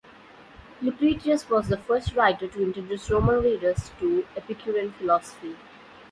Lucretius was the first writer to introduce Roman readers to Epicurean philosophy.